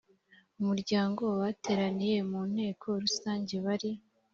umuryango bateraniye mu nteko rusange bari